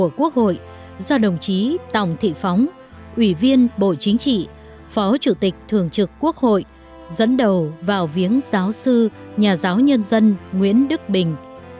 đoàn quốc hội và các cơ quan của quốc hội do đồng chí tổng thị phóng ủy viên bộ chính trị phó chủ tịch thường trực quốc hội dẫn đầu vào viếng giáo sư nhà giáo nhân dân nguyễn đức bình